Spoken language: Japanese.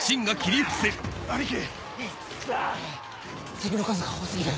敵の数が多過ぎる！